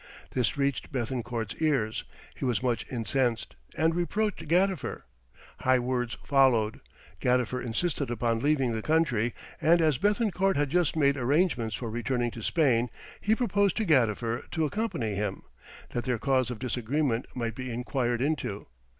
This reached Béthencourt's ears; he was much incensed, and reproached Gadifer. High words followed, Gadifer insisted upon leaving the country, and as Béthencourt had just made arrangements for returning to Spain, he proposed to Gadifer to accompany him, that their cause of disagreement might be inquired into.